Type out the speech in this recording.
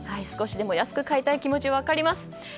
少しでも安く買いたい気持ち分かります。